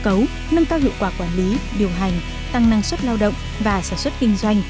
cơ cấu nâng cao hiệu quả quản lý điều hành tăng năng suất lao động và sản xuất kinh doanh